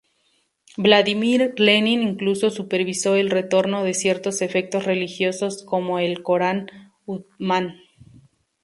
Vladimir Lenin incluso supervisó el retorno de ciertos efectos religiosos como el "Corán Uthman".